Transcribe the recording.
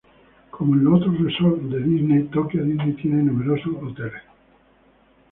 Como los otros resorts de Disney, Tokio Disney tiene numerosos hoteles.